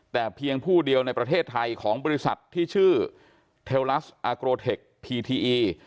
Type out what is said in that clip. แต่เพียงผู้เดียวในประเทศไทยของบริษัทที่ชื่อเทลัสอากรเทคพีทีอี